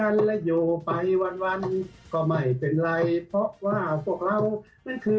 เราก็อย่าไปคิดว่าเป็นเพราะครอบครัวเรา